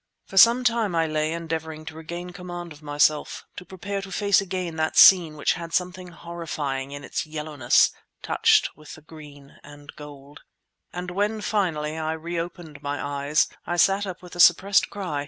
For some time I lay endeavouring to regain command of myself, to prepare to face again that scene which had something horrifying in its yellowness, touched with the green and gold. And when finally I reopened my eyes, I sat up with a suppressed cry.